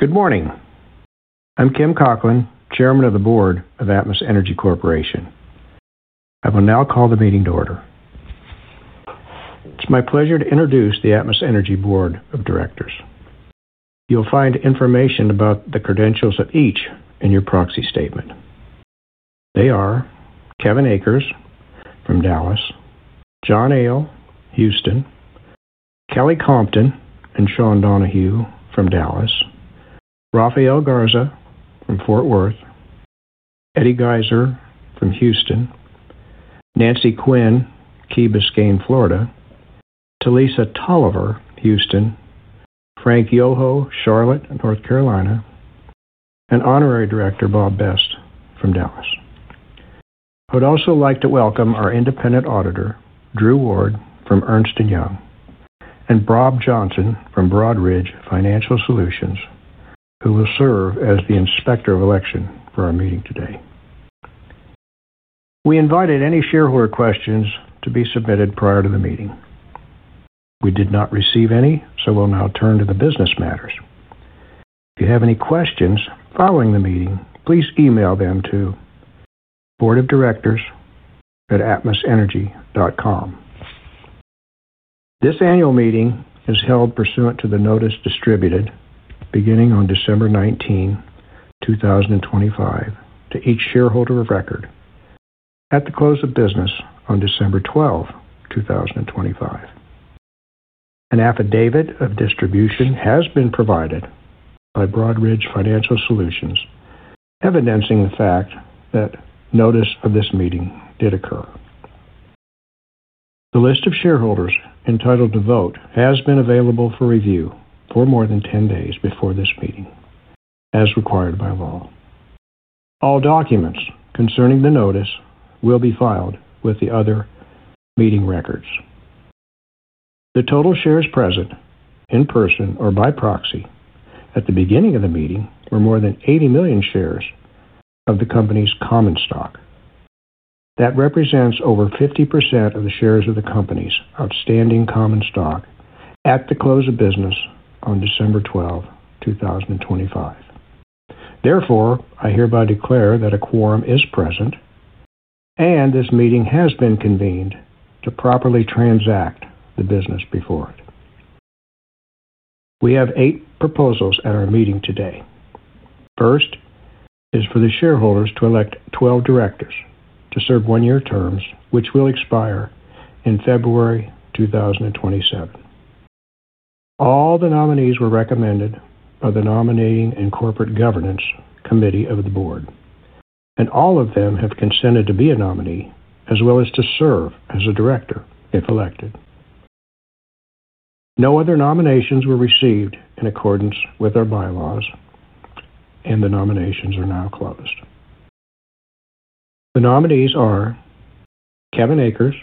Good morning. I'm Kim Cocklin, Chairman of the Board of Atmos Energy Corp. I will now call the meeting to order. It's my pleasure to introduce the Atmos Energy Board of Directors. You'll find information about the credentials of each in your proxy statement. They are Kevin Akers from Dallas, John Akers, Houston, Kelly Compton and Sean Donohue from Dallas, Rafael Garza from Fort Worth, Eddie Geisler from Houston, Nancy Quinn, Key Biscayne, Florida, Telisa Toliver, Houston, Frank Yoho, Charlotte, North Carolina, and Honorary Director Bob Best from Dallas. I would also like to welcome our independent auditor, Drew Ward, from Ernst & Young, and Bob Johnson from Broadridge Financial Solutions, who will serve as the Inspector of Election for our meeting today. We invited any shareholder questions to be submitted prior to the meeting. We did not receive any, so we'll now turn to the business matters. If you have any questions following the meeting, please email them to boardofdirectors@atmosenergy.com. This annual meeting is held pursuant to the notice distributed beginning on December 19, 2025, to each shareholder of record at the close of business on December 12, 2025. An affidavit of distribution has been provided by Broadridge Financial Solutions, evidencing the fact that notice of this meeting did occur. The list of shareholders entitled to vote has been available for review for more than 10 days before this meeting, as required by law. All documents concerning the notice will be filed with the other meeting records. The total shares present, in person or by proxy, at the beginning of the meeting, were more than 80 million shares of the company's common stock. That represents over 50% of the shares of the company's outstanding common stock at the close of business on December 12, 2025. Therefore, I hereby declare that a quorum is present, and this meeting has been convened to properly transact the business before it. We have eight proposals at our meeting today. First is for the shareholders to elect 12 directors to serve one-year terms, which will expire in February 2027. All the nominees were recommended by the Nominating and Corporate Governance Committee of the Board, and all of them have consented to be a nominee as well as to serve as a director if elected. No other nominations were received in accordance with our bylaws, and the nominations are now closed. The nominees are Kevin Akers,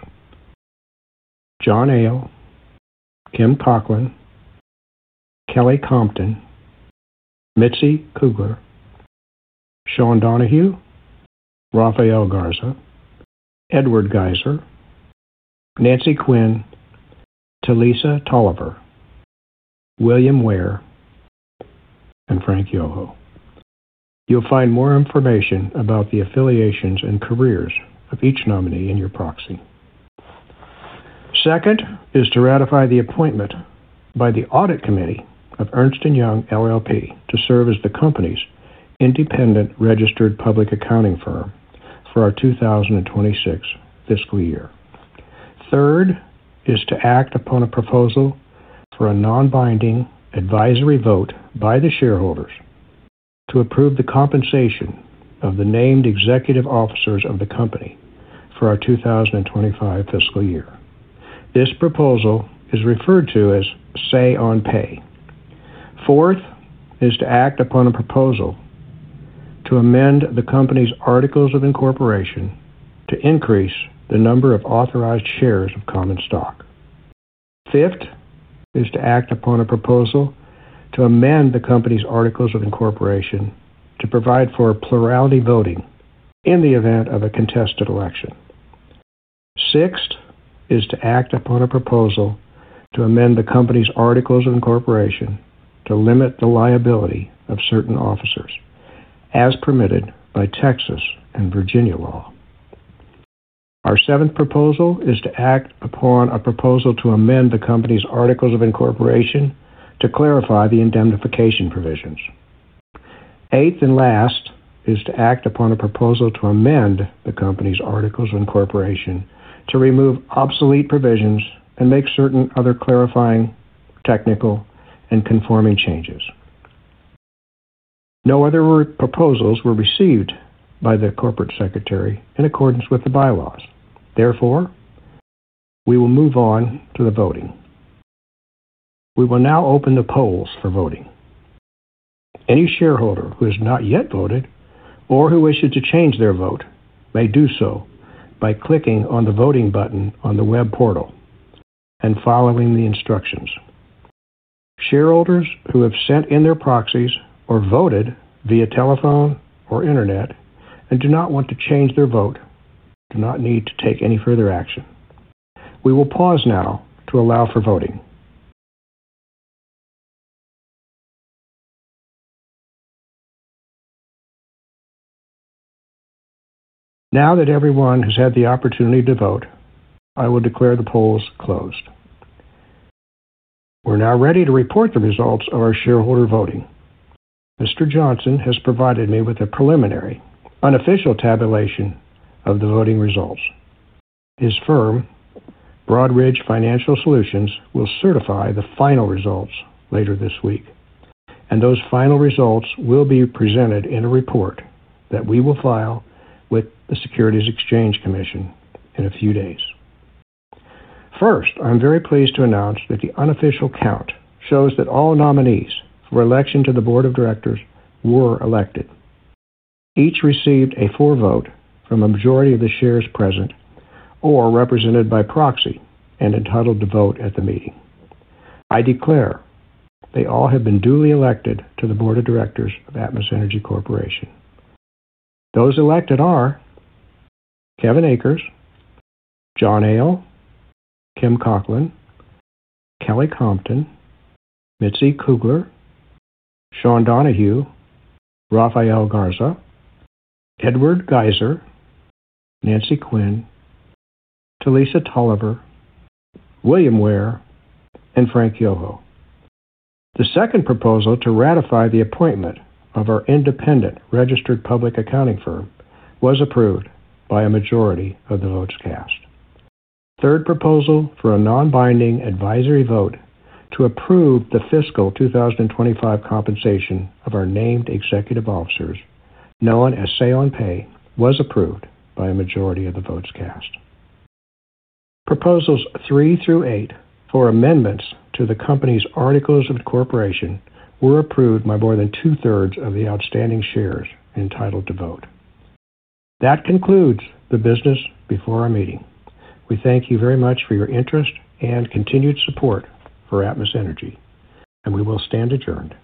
John Akers, Kim Cocklin, Kelly Compton, Mitzi Kugler, Sean Donohue, Rafael Garza, Edward Geisler, Nancy Quinn, Telisa Toliver, William Ware, and Frank Yoho. You'll find more information about the affiliations and careers of each nominee in your proxy. Second, is to ratify the appointment by the Audit Committee of Ernst & Young, LLP, to serve as the company's independent registered public accounting firm for our 2026 fiscal year. Third, is to act upon a proposal for a non-binding advisory vote by the shareholders to approve the compensation of the named executive officers of the company for our 2025 fiscal year. This proposal is referred to as Say-on-Pay. Fourth, is to act upon a proposal to amend the company's articles of incorporation to increase the number of authorized shares of common stock. Fifth, is to act upon a proposal to amend the company's articles of incorporation to provide for a plurality voting in the event of a contested election. Sixth, is to act upon a proposal to amend the company's articles of incorporation to limit the liability of certain officers as permitted by Texas and Virginia law. Our seventh proposal is to act upon a proposal to amend the company's articles of incorporation to clarify the indemnification provisions. Eighth and last, is to act upon a proposal to amend the company's articles of incorporation to remove obsolete provisions and make certain other clarifying, technical, and conforming changes. No other proposals were received by the corporate secretary in accordance with the bylaws. Therefore, we will move on to the voting. We will now open the polls for voting. Any shareholder who has not yet voted or who wishes to change their vote may do so by clicking on the voting button on the web portal and following the instructions. Shareholders who have sent in their proxies or voted via telephone or internet and do not want to change their vote, do not need to take any further action.... We will pause now to allow for voting. Now that everyone has had the opportunity to vote, I will declare the polls closed. We're now ready to report the results of our shareholder voting. Mr. Johnson has provided me with a preliminary, unofficial tabulation of the voting results. His firm, Broadridge Financial Solutions, will certify the final results later this week, and those final results will be presented in a report that we will file with the Securities and Exchange Commission in a few days. First, I'm very pleased to announce that the unofficial count shows that all nominees for election to the board of directors were elected. Each received a full vote from a majority of the shares present or represented by proxy and entitled to vote at the meeting. I declare they all have been duly elected to the Board of Directors of Atmos Energy Corporation. Those elected are Kevin Akers, John Akers, Kim Cocklin, Kelly Compton, Mitzi Kugler, Sean Donohue, Rafael Garza, Edward Geisler, Nancy Quinn, Telisa Toliver, William Ware, and Frank Yoho. The second proposal to ratify the appointment of our independent registered public accounting firm was approved by a majority of the votes cast. Third proposal for a non-binding advisory vote to approve the fiscal 2025 compensation of our named executive officers, known as Say on Pay, was approved by a majority of the votes cast. Proposals 3 through 8 for amendments to the company's articles of incorporation were approved by more than two-thirds of the outstanding shares entitled to vote. That concludes the business before our meeting. We thank you very much for your interest and continued support for Atmos Energy, and we will stand adjourned.